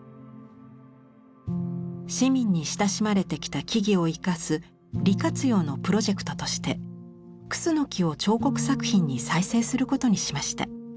市民に親しまれてきた木々を生かす利活用のプロジェクトとしてクスノキを彫刻作品に再生することにしました。